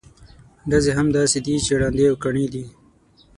ډزې هم داسې دي چې ړندې او کڼې دي.